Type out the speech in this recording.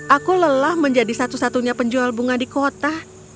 aku lelah menjadi satu satunya penjual bunga di kota